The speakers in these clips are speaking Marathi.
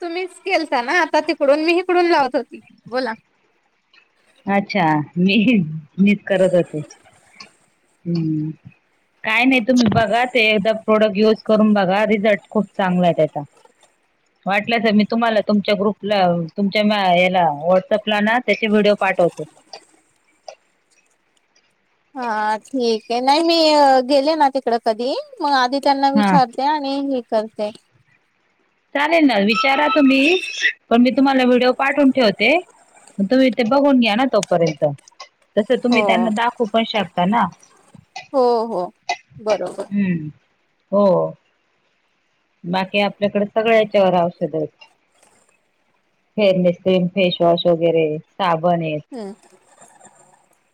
तुम्हीच केलता ना आता तिकडून मी हिकडून लावत होती बोला? अच्छा! मी मीच करत होते काय नाही तुम्ही बघा ते एकदा प्रोडक्ट युज करून बघा रिझल्ट खूप चांगला आहे त्याचा. वाट. मी तुम्हाला तुमच्या ग्रुपला तुमच्या याला व्हॉट्सअपला ना त्याचे व्हिडिओ पाठवतो. हा ठीक आहे नाही मी गेले ना तिकड कधी मग आधी त्यांना हा विचारतोय. ते आणि हे करते चालेल ना विचारा तुम्ही पण मी तुम्हाला व्हिडिओ पाठवून ठेवते मग तुम्ही ते बघून घ्या ना तोपर्यंत. तसं तुम्ही हो त्यांना दाखवू पण शकता ना? हो हो बरोबर हम्म हो बाकी आपल्याकडे सगळ्या याच्यावर औषध आहेत. फेअरनेस क्रीम फेशवॉश वगैरे साबण आहेत? हम्म.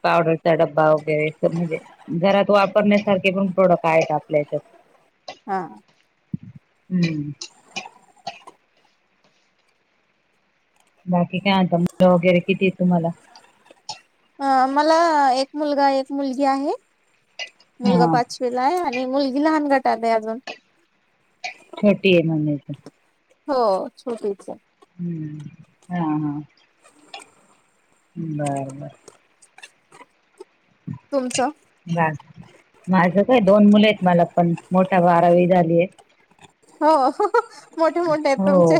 पावडरचा डब्बा वगैरे तर म्हणजे घरात वापरण्यासारखे पण प्रोडक्ट आहेत आपल्या हच्यात? हा. हम्म. बाकी काय म्हत मुलं वगैरे किती य तुम्हाला? अ मला एक मुलगा एक मुलगी आहे. मुलगा हा. पाचवीला आहे आणि मुलगी लहान गटात आहे अजून छोटी आहे म हो छोटीच आहे आहे. हम्म हा हा. नाय नाय. तुमचं? बा माझं काय दोन मुले आहेत मला पण. मोठा बारावी झालीय. हो. मोठे मोठे आहेत हो तुमचे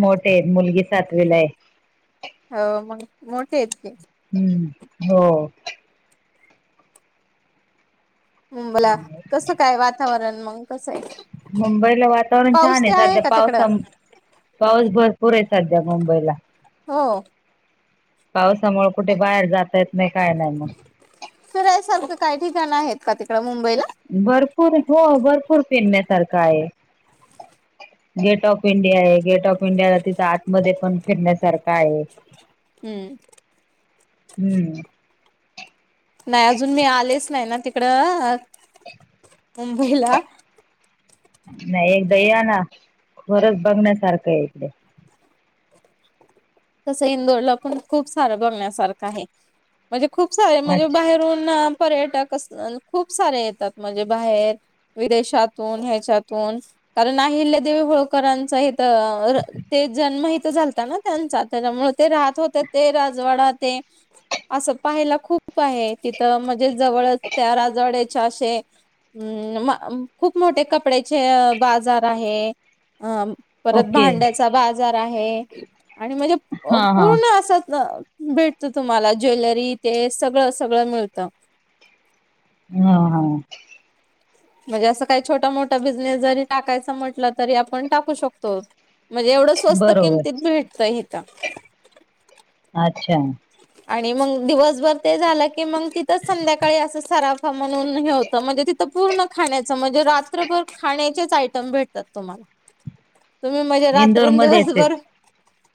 मोठेत. मुलगी सातवीला आहे. हो, मग मोठेत की. हं. हो. अं बोला, कसं काय वातावरण मग कसं आहे? मुंबईला वातावरण पाऊस छान ते आहे. सध्या का तिकडं पावसा पाऊस भरपूर आहे सध्या मुंबईला. हो. पावसामुळे कुठे बाहेर जात येत नाही. काय नाही मग. फिरायसारखं काही ठिकाण आहेत का तिकडं मुंबईला? भरपूर. हो, भरपूर पिरण्यासारखा आहे. गेट ऑफ इंडिया आहे. गेट ऑफ इंडियाला तिथं आतमध्ये पण फिरण्यासारख आहे. हं. हं. नाही अजून मी आलेच नाही ना तिकड मुंबईला. नाही एकदा या ना. खरंच बघण्यासारखंये इकडे. तसं इंदोरला पण खूप सारं आहे. म्हणजे खूप सारं म्हणजे अच्छा बाहेरून पर्यटक अस खूप सारे येतात. म्हणजे बाहेर विदेशातून ह्याच्यातून. कारण अहिल्यादेवी होळकरांच इथ ते जन्म हितं झालता ना त्यांचा. त्याच्यामुळे ते राहत होते ते राजवाडा ते असं पाहायला खूप आहे इथे. त म्हणजे जवळच त्या राजवाड्याच्या असे अं म खूप मोठे कपड्याचे बाजार आहे. अं परत ओके भांड्याचा बाजार आहे. आणि म्हणजे अ हा हा पूर्ण अस अ भेटतं तुम्हाला. ज्वेलरी ते सगळं सगळं मिळतं. हं हं. म्हणजे असं काही छोटा मोठा बिझनेस जरी टाकायचा म्हटलं तरी आपण टाकू शकतो. म्हणजे एवढं स्वस्त बरोबर किमतीत भेटतं हितं. अच्छा! आणि मग दिवसभर ते झालं की मग तिथंच संध्याकाळी असं सराव म्हणून हे होतं. म्हणजे तिथं पूर्ण खाण्याचं, म्हणजे रात्रभर खाण्याचेच आयटम भेटतात तुम्हाला. [inaudible] तुम्ही म्हणजे इंदोर मध्येच आहे रात्रंदिवसभर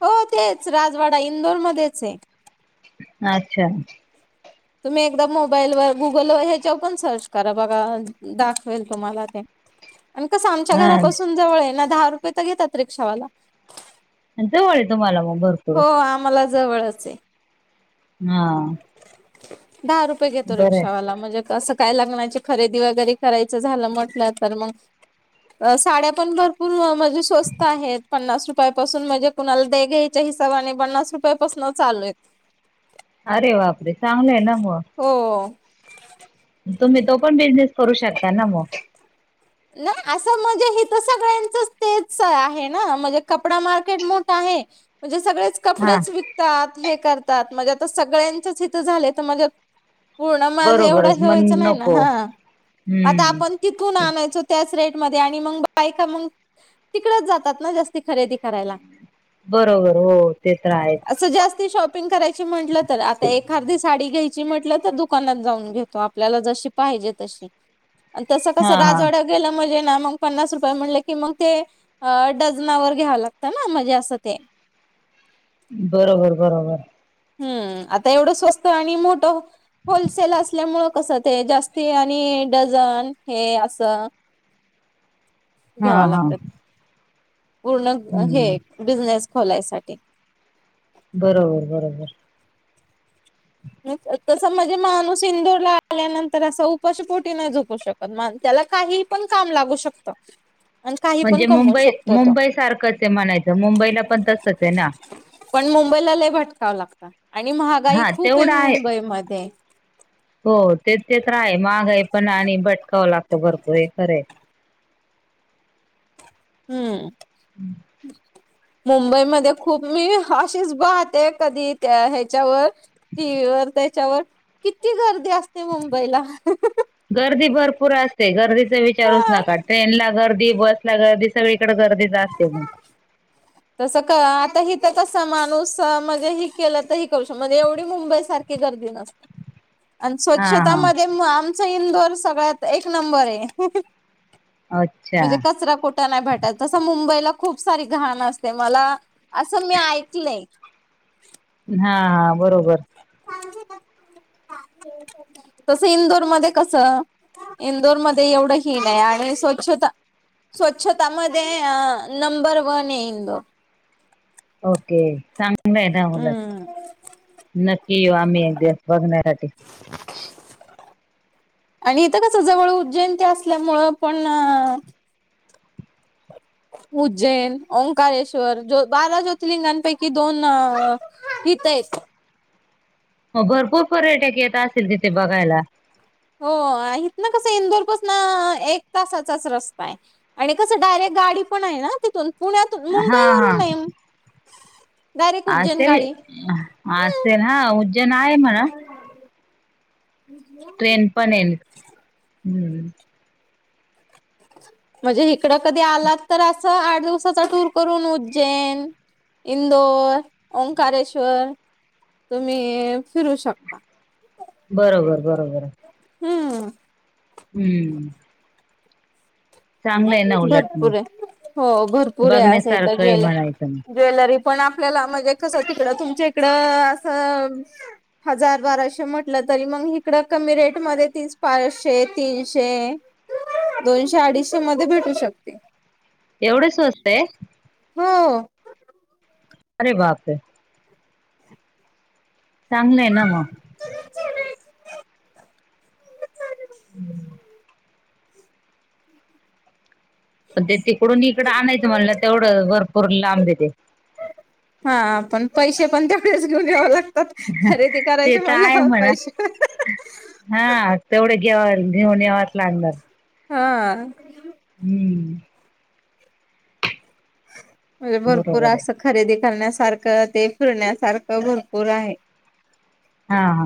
हो तेच. राजवाडा इंदोरमध्येचये. अच्छा! तुम्ही एकदा मोबाईल व गुगलवर ह्याच्यावर पण सर्च करा बघा. दाखवेल तुम्हाला ते. आणि कसं आमच्या हा घरापासून जवळ आहे ना. दहा रुपये तर घेतात रिक्षावाला. अन जवळे तुम्हाला मग भरपूर. हा आम्हाला जवळचये. हां. दहा रुपये घेतो आहे रिक्षावाला. म्हणजे कसं काय लग्नाची खरेदी, वगैरे करायचं झालं, म्हटलं तर मंग अ साड्या पण भरपूर, म्हजे स्वस्त आहेत, पन्नास रुपयापासून म्हजे कुणाल द्याय-घ्यायच्या हिसाबाने, पन्नास रुपयापासनं चालुयेत अरे बापरे, चांगलंय ना, म. हो. तुम्ही, तो पण बिझनेस करू शकता ना, म? ना, असं म्हणजे, हितं सगळ्यांचच तेच आहे ना, म्हनजे कपडा मार्केट मोठ् आहे. म्हनजे सगळेच हा कपडेच विकतात, हे करतात, म्हणजे आता सगळ्यांच्याच, इथं झाले त, म्हणजे हो ना, माझं एवढं बरोबरच हेे मण व्हायचं नाई ना, नको हां आता हम्म आपण तिथून आणाय चो, त्याच रेटमधे, आणी मंग बायका मंग तिकडंच जातात ना, जास्ती खरेदी करायला. बरोबर हो, ते तर हाये. असं जास्ती शॉपिंग करायची म्हंटलं तर, आता एकार्दी साडी घ्यायची, म्हटलं तर दुकानात जाऊन घेतो, आप ल्याला जशी पाहिजे, तशी अन् हा तस-कसं रा हा तिथं गेलं म्हणजे ना, मंग ते पन्नास रुपये म्हटले की, मंग ते अ डझनावर घ्यावं लागतं ना, म्हणजे असं ते. बरोबर बरोबर. हम्म, आता एवढं स्वस्त, आणि मोठं होलसेल असल्यामुळ, कसं ते जास्ती आणि डझन, हे असं [inaudible] हा घ्यावा हा लागत्यात, पूर्ण हे हम्म बिझनेस खोलायसाठी. बरोबर, बरोबर. तस म्हणजे, माणूस इंदूरला आल्यानंतर, असं उपाशीपोटी नाय झोपू शक् पण, मंग त्याला काही, पण काम लागू शकतं. आणि काही पण म्हणजे कमवू मुंबई, शकतो तो मुंबई सारखंच ये म्हणायचं, मुंबईला पण तसंच ना. पण मुंबईला, लई भटकावं लागत, आणि महागाई हा खूपे तेवढं आहे मुंबईमध्ये. हो, ते ते तर आहे, महागाई पण, आणि भटकावं लागतं भरपूर, हे खरय. हम्म. हम्. [inaudible] मुंबईमध्ये खूप, मी अशीच पाहते, कधी त्या ह्याच्यावर टी व्ही वर, त्याच्यावर, किती गर्दी असते, मुंबईला हं हं हं. गर्दी भरपूर असते, गर्दीच विचारुच हा नका, ट्रेनला गर्दी, बसला गर्दी सगळीकडं गर्दीच, असते म [inaudible] तसं क अ, आता हितं कसं, माणूस म्हजे ही केलं त, ही करू शक म्हणजे, एवढी मुंबई सारख् की गर्दी नस् [inaudible] अन् स्वच्छता हा मध्ये, म आमचं इंदोर सगळ्यात, एक नंबरे ये. अच्छा म्हजे कचरा कुटं नाय भेटायचा, तसा मुंबईला खूप सारी घाणं असते, मला असं मी ऐकलंय. हां हां बरोबर. [inaudible] तस इंदोर मध्ये, कसं इंदोरमध्ये एवढं हीण आहे आणि स्वच्छता स्वच्छता मध्ये अ नंबर वन आहे इंदोर. ओके. चांग ल आहे ना उलट हम्म नक्की येऊ आम्ही एक दिवस बघण्यासाठी. आणि इथं कस जवळ उज्जैन ते असल्यामुळं पण उज्जैन, ओंकारेश्वर, ज्यो बारा ज्योतिर्लिंगांपैकी दोन इथं आहेत. म भरपूर पर्यटक येत असतील तिथे बघायला. हो हिथंन कसं इंदोरपसन एक तासाचाच रस्ता आहे. आणि कसं डायरेक्ट गाडी पण आहे ना तिथून पुण्यातून हा मुंबई वरून नाही. असे अहं हम्म. असेल हा उज्जैन आहे म्हणा. [unintelligible] ट्रेन पण येन हम्म. म्हणजे हिकडं कधी आला तर असं आठ दिवसाचा टूर करून उज्जैन इंदोर, ओंकारेश्वर तुम्ही फिरू शकता. बरोबर बरोबर आहे. हम्म. हम्म. चांगलं आहे ना उलट मग भरपूर आहे. हो भरपूर आहे असं इथं बघण्यासारखं आहे ज्वेलर म्हणायचं मग ज्वेलरी पण आपल्याला म्हणजे कसं तिकडं तुमच्या इकडं असं हजार बाराशे म्हटलं तरी मग हिकडं कमी रेटमध्ये तीच पाचशे तीनशे दोनशे, अडीचशे मध्ये भेटू शकते. एवढं स्वस्त आहे. हो. अरे बापरे. चांगलंय ना मग. पण ते तिकडून इकडं आणायचं म्हणल तेवढं भरपूर लांबय ते. हा पण पैसे पण तेवढेच घेऊन याव लाग तात. खरेदी ते करायची तर आहे म्हणल्यावर म्हणा पैसे तर हा तेवढे घेवन घेऊन यावच लागणार. हा. हम्म. म्हणजे भरपूर बरोबर आहे असं खरेदी करण्यासारखं ते फिरण्यासारखं भरपूर आहे. हा हा.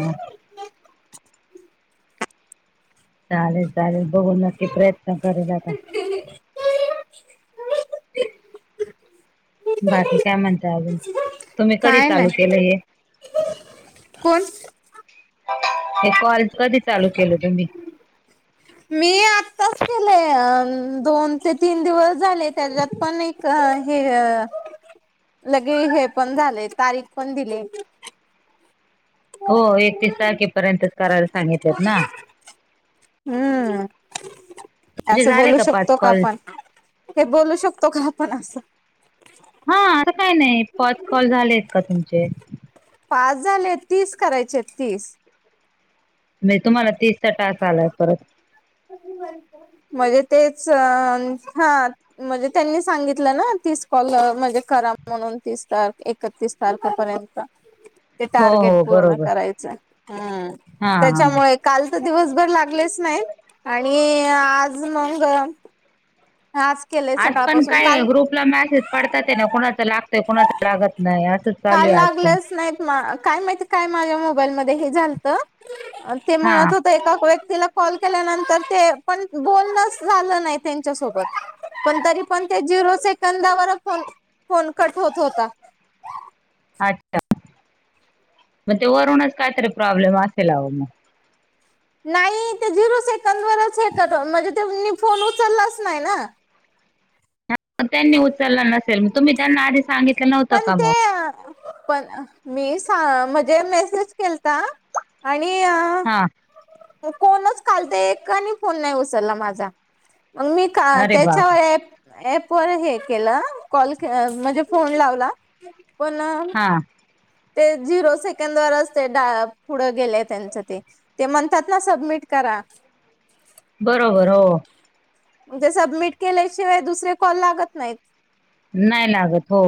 चालेल चालेल बघू नक्की प्रयत्न करेल आता. [unintelligible] बाकी काय म्हणताय अजून, तुम्ही कधी काय चालू नाही केलं हे? कोण? हे कॉल कधी चालू केलं तुम्ही? मी आत्ताच केलय. अ दोन ते तीन दिवस झाले त्याच्यात पण एक च हे लगे हे पण झालय तारीख पण दिलेय. हो एकतीस तारखेपर्यंतच करायला सांगितलेत ना. हम्म. तुमचे असं झाले बोलू पाच शकतो का कॉल आपण? हे काय बोलू शकतो का आपण असं? हा आता काही नाही पाच कॉल झालेत का तुमचे? पाच झाले तीस करायचे तीस. नाही तुम्हाला तिसचा टास्क आलाय परत. म्हणजे तेच म्हणजे त्यांनी सांगितलं ना तीस कॉल अं म्हणजे करा म्हणून तीस, एकतीस तारखेपर्यंत. [inaudible] ते टार्गेट हो पूर्ण बरोबर करायचं हम् हा हा त्याच्यामुळे काल तर दिवसभर लागलेच नाहीत आणि आज मगं आज आज पण काय काल ग्रुपला मेसेज पडतात आहे ना, कुणाचा लागतोय कुणाचा लागत नाही असंच चालू आहे आज पण, म काय माहिती काय माझ्या मोबाईलमध्ये हे झालत आणि ते हा म्हणत होत ते एका व्यक्तीला कॉल केल्यानंतर ते पण बोलणचं झालं नाही ते च्या सोबत, पण तरी पण ते झिरो सेकंदावर फोन फोन कट होत होता. अच्छा मग ते वरूनच कायतरी प्रॉब्लेम असेल आहो मग, नाही ते झिरो सेकंदवरच हे कट होत, म्हणजे तेनी फोन उचललाच नाही ना. त्यांनी उचलला नसेल मग तुम्ही त्यांना आधी सांगित पण ते अं पण मी सा म्हणजे मेसेज केलता आणि आ हां कोणच काल ते एकांनी फोन नाही उचलला माझा मग मी का अरे बाप त्याच्यावर ॲप ॲपवर हे केलं कॉल म्हणजे फोन लावला. पण अं हा ते झिरो सेकंदवरच ते दा पुढं गेले त्यांच ते, ते म्हणतात ना सबमिट करा. बरोबर हो मग ते सबमिट केल्याशिवाय दुसरे कॉल लागत नाहीत. नाही लागत हो.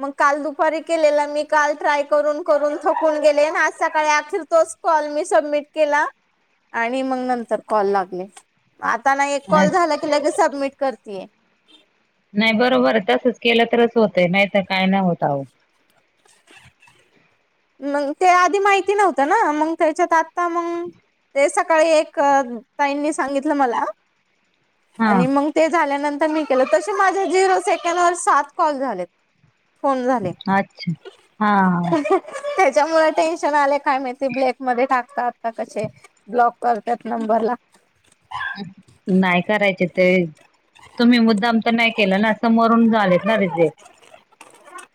मग काल दुपारी केलेला मी, काल ट्राय करून करून थकून गेले ना आज सकाळी अखेर तोच कॉल मी सबमिट केला, आणि मग नंतर कॉल लागले. आता ना, एक कॉल झाला अच्छा की लगेच सबमिट करतीये. नाही बरोबर आहे तसच केलं तरच होतय, नाहीतर काय नाही होत आहो. मग ते आधी माहिती नव्हतं ना मग त्याच्यात आता मग ते सकाळी एक अं ताईंनी सांगितलं मला हा आणि म ते झाल्यानंतर मी केलं, तसे माझ्या झिरो सेकंड वर सात कॉल झालेत. फोन झाले अच्छा हा [inaudible] त्याच्यामुळं टेन्शन आलय काय माहित. ते ब्लॅक मध्ये टाकतात का कसे ब्लॉक करत्यात नंबर ला. नाही करायचे ते तुम्ही मुद् त्यांना हे केलं ना समोरून झालेत ना रिजेक्ट.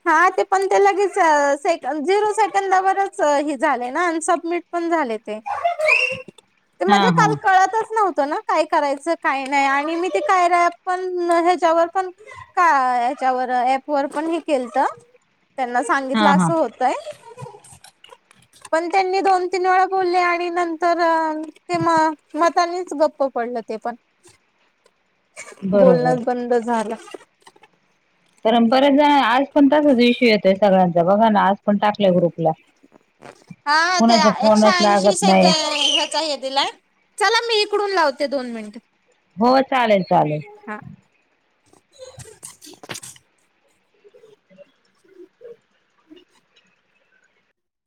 हा ते पण ते लगेच सेकंद झिरो सेकंदावरच हे झाले ना आणि सबमिट पण झाले ते हा म्हणजे हा काल कळतच नव्ह तं ना, काय करायचं, काय नाही आणि मी ते कायराय अँप पण ह्याच्यावर पण का याच्यावर ॲप वर पण हे केलतं त्यांना हा सांगितलं हा असं होतंय. पण तेनी दोन, तीन वेळा बोलले आणि नंतर अं म मताांनीच गप्प पडलं. ते पण [inaudible] बरोबर बोलणच बंद झालं. परत [unintelligible] आज पण तसाच इशू येतोय सगळ्यांचा बघा ना आज पण टाकलाय ग्रुपला. हा ते कुणाचा एकशे फोनच ऐंशीे लागत नाही सेकंद हेचां हे दिलाय. चला मी इकडून लावते दोन मिनिटं हो चालेल चालेल.